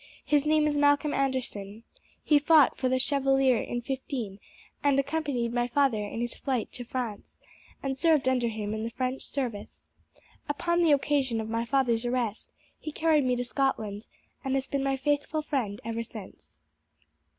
His name is Malcolm Anderson. He fought for the Chevalier in '15, and accompanied my father in his flight to France, and served under him in the French service. Upon the occasion of my father's arrest he carried me to Scotland, and has been my faithful friend ever since."